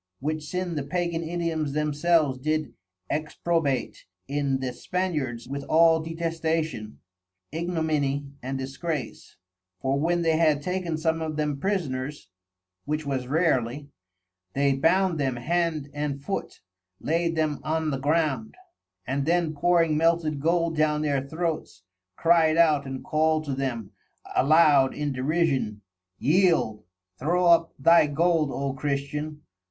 Which sin the Pagan_ Indians themselves did exprobate in the Spaniards _with all Detestation, Ignominy and Disgrace: for when they had taken some of them Prisoners (which was rarely) they bound them hand and foot, laid them on the ground, and then pouring melted Gold down their Throats, cried out and called to them aloud in derision,_ yield, throw up thy Gold O Christian!